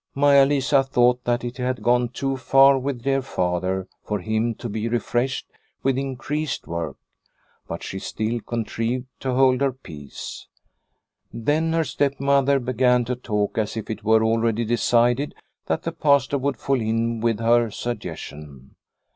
Maia Lisa thought that it had gone too far with dear father for him to be refreshed with increased work, but she still contrived to hold her peace. Then her stepmother began to talk as if it were already decided that the Pastor would fall in with her suggestion.